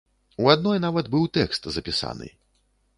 У адной нават быў тэкст запісаны.